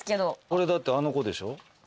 これだってあの子でしょ？